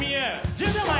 １０秒前。